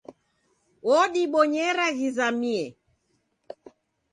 Wodibonyera ghizamie.